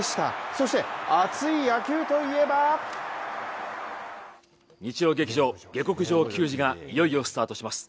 そして、熱い野球といえば日曜劇場「下剋上球児」がいよいよスタートします。